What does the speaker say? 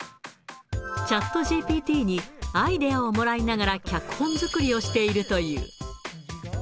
チャットＧＰＴにアイデアをもらいながら脚本作りをしているという。